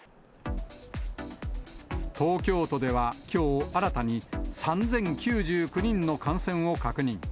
東京都では、きょう新たに３０９９人の感染を確認。